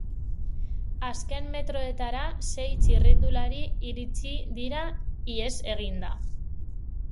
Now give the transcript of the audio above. Azken metroetara sei txirrindulari iritsi dira ihes eginda.